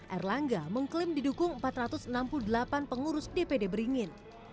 erlangga mengklaim didukung empat ratus enam puluh delapan pengurus dpd beringin